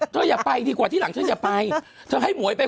ถ้าอย่าไปดีกว่าที่หลังอย่าจะไป